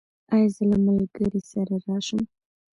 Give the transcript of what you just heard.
ایا زه له ملګري سره راشم؟